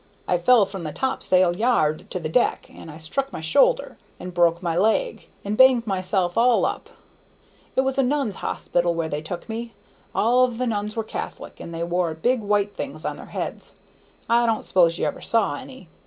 I fell from the topsail yard to the deck, and I struck my shoulder, and broke my leg, and banged myself all up. It was to a nuns' hospital where they took me. All of the nuns were Catholics, and they wore big white things on their heads. I don't suppose you ever saw any.